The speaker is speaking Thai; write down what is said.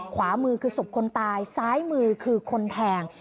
ขวามือคือศพคนตายซ้ายมือคือคนแทง